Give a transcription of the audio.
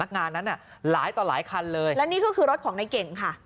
งานนั้นหลายต่อหลายคันเลยและนี่ก็คือรถของในเก่งค่ะ